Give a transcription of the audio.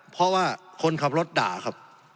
เพราะว่าคนขับรถด่าครับ